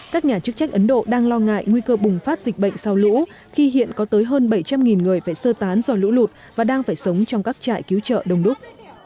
các nhà chức trách ấn độ đang lo ngại nguy cơ bùng phát dịch bệnh sau lũ khi hiện có tới hơn bảy trăm linh người phải sơ tán do lũ lụt và đang phải sống trong các trại cứu trợ đồng đúc